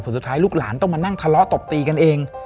สุดท้ายลูกหลานต้องมานั่งทะเลาะตบตีกันเอง